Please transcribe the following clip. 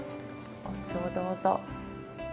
お酢をどうぞ。